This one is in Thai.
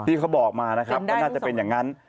ที่เขาบอกมานะครับว่าน่าจะเป็นแบบนั้น